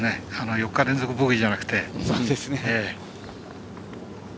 ４日連続ボギーじゃなくて。